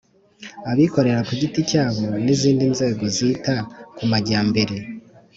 abikorera ku giti cyabo, n'izindi nzego zita ku majyambere